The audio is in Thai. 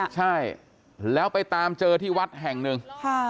ใช่แล้วไปตามเจอที่วัดแห่งหนึ่ง